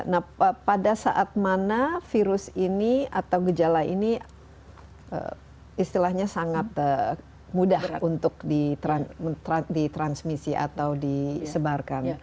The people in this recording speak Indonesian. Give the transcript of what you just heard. nah pada saat mana virus ini atau gejala ini istilahnya sangat mudah untuk ditransmisi atau disebarkan